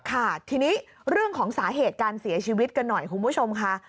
ค่ะทีนี้เรื่องของสาเหตุการเสียชีวิตกันหน่อยคุณผู้ชมค่ะ